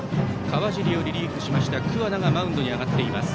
川尻をリリーフしました桑名がマウンドに上がっています。